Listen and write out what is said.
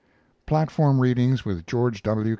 Platform readings with George W.